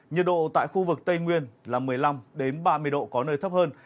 nhiệt độ tại khu vực tây nguyên là một mươi năm ba mươi độ có nơi thấp hơn